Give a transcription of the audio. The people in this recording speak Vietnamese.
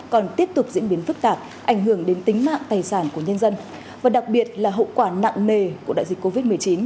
còn tiếp tục diễn biến phức tạp ảnh hưởng đến tính mạng tài sản của nhân dân và đặc biệt là hậu quả nặng nề của đại dịch covid một mươi chín